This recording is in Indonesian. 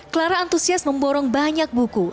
clara antusias memborong banyak buku